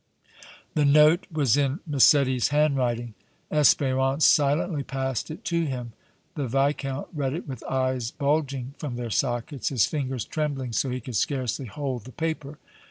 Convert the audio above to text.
The note was in Massetti's handwriting. Espérance silently passed it to him. The Viscount read it with eyes bulging from their sockets, his fingers trembling so he could scarcely hold the paper.